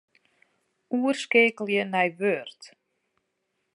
Oerskeakelje nei Word.